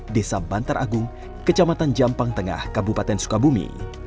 desa bantar agung kecamatan jampang tengah kabupaten sukabumi